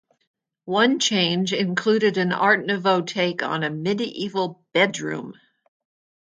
One change included an Art Nouveau take on a medieval bedroom.